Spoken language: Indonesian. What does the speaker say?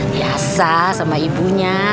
biasa sama ibunya